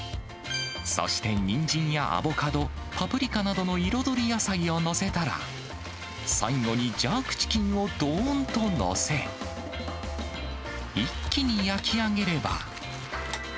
そしてニンジンやアボカド、パプリカなどの彩り野菜を載せたら、最後にジャークチキンをどーんと載せ、一気に焼き上げれば。